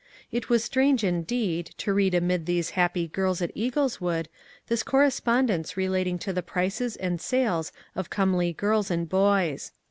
It was strange, indeed, to read amid these happy girls at Eagleswood this correspondence relating to the prices and sales of comely girls and boys.